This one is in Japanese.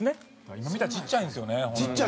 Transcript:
今見たらちっちゃいんですよねホンマに。